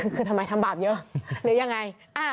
คือทำไมทำบาปเยอะหรือยังไง